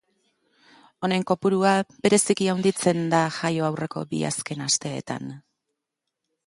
Honen kopurua bereziki handitzen da jaio aurreko bi azken asteetan.